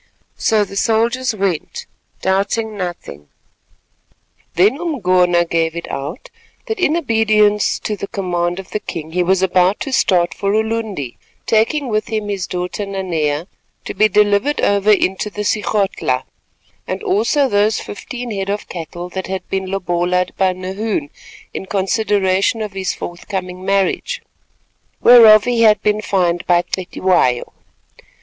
So the soldiers went, doubting nothing. Then Umgona gave it out that in obedience to the command of the king he was about to start for Ulundi, taking with him his daughter Nanea to be delivered over into the Sigodhla, and also those fifteen head of cattle that had been lobola'd by Nahoon in consideration of his forthcoming marriage, whereof he had been fined by Cetywayo.